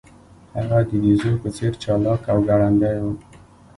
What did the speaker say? هغه د بیزو په څیر چلاک او ګړندی و.